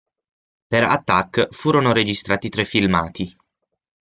Per "Attack" furono registrati tre filmati.